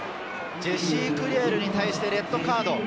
ジェシー・クリエルに対してレッドカード。